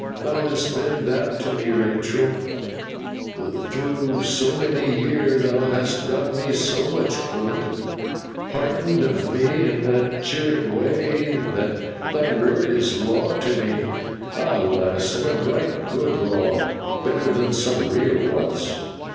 Thou hast been that to me, Rachael, through so many year: thou hast done me so much good, and heartened of me in that cheering way, that thy word is a law to me. Ah, lass, and a bright good law! Better than some real ones.